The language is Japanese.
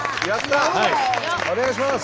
お願いいたします。